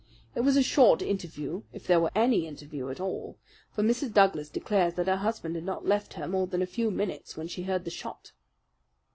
It was a short interview, if there were any interview at all; for Mrs. Douglas declares that her husband had not left her more than a few minutes when she heard the shot."